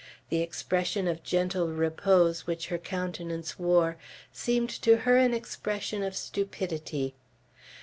The expression of gentle repose which her countenance wore, seemed to her an expression of stupidity.